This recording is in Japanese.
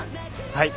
はい。